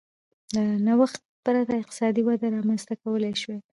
له نوښت پرته اقتصادي وده رامنځته کولای شوای